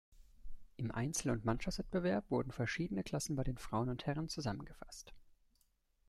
Im Einzel- und Mannschaftswettbewerb wurden verschiedene Klassen bei den Frauen und Herren zusammengefasst.